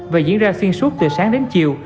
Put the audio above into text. và diễn ra xuyên suốt từ sáng đến chiều